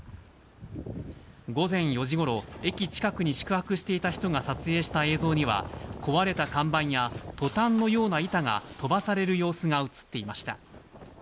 午前４時ごろ、駅近くに宿泊していた人が撮影した映像には、壊れた看板やとたんのような板が飛ばされる様子がうつっていまし